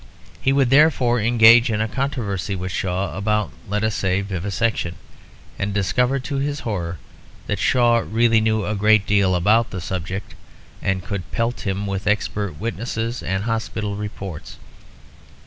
He would therefore engage in a controversy with Shaw about (let us say) vivisection, and discover to his horror that Shaw really knew a great deal about the subject, and could pelt him with expert witnesses and hospital reports.